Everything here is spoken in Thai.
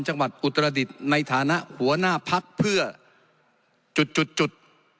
จังหวัดอุตรดิตในฐานะหัวหน้าภักดิ์เพื่อจุดจุดจุด